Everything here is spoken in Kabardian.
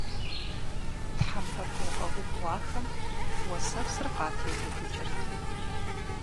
Тхьэмпэ бгъуфӀэ убгъуахэм уэсэпсыр къателыдыкӀырт.